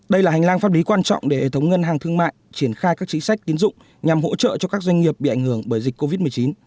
đây là hành lang pháp lý quan trọng để hệ thống ngân hàng thương mại triển khai các chính sách tiến dụng nhằm hỗ trợ cho các doanh nghiệp bị ảnh hưởng bởi dịch covid một mươi chín